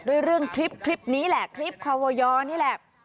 ด้วยเรื่องคลิปนี้แหละคลิปคอวยนี่แหละ